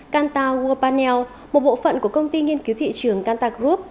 canta world panel một bộ phận của công ty nghiên cứu thị trường canta group